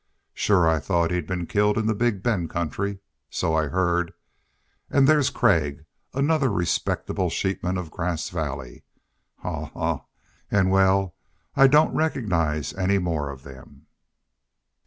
Shore I thought he'd been killed in the Big Bend country. So I heard.... An' there's Craig, another respectable sheepman of Grass Valley. Haw haw! An', wal, I don't recognize any more of them."